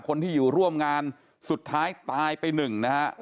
คนที่อยู่ร่วมงานสุดท้ายตายไปหนึ่งนะครับ